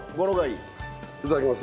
いただきます。